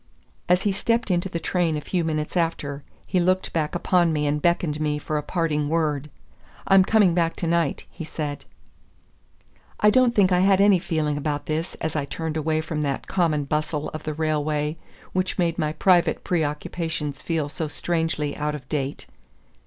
As he stepped into the train a few minutes after, he looked back upon me and beckoned me for a parting word. "I'm coming back to night," he said. I don't think I had any feeling about this as I turned away from that common bustle of the railway which made my private preoccupations feel so strangely out of date.